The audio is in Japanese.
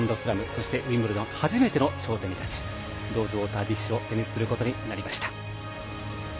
そして、ウィンブルドン初めての頂点に立ちローズウォーター・ディッシュを手にすることになりました。